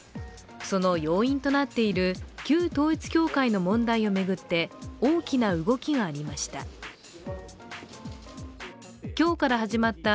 その要因となっている、旧統一教会の問題を巡って大きな動きがありました。